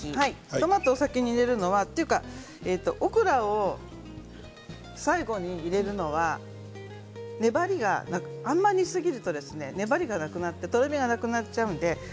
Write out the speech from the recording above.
トマトが先というかオクラを最後に入れるのはあんまり煮すぎると粘りがなくなってとろみがなくなっちゃうんです。